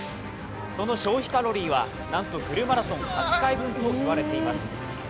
その消費カロリーはなんとフルマラソン８回分と言われています。